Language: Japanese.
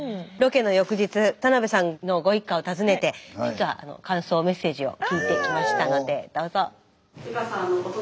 ロケの翌日田さんのご一家を訪ねて実は感想メッセージを聞いてきましたのでどうぞ。